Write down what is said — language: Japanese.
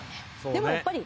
でもやっぱり。